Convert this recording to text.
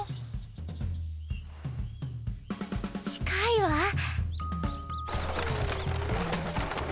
近いわ！